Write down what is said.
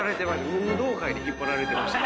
運動会に引っ張られてました。